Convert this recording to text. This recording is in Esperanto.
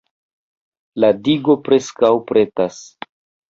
La digo preskaŭ pretas.